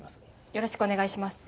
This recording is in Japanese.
よろしくお願いします。